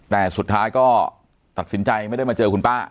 แต่สุดท้ายก็ตัดสินใจไม่ได้มาเจอคุณป้า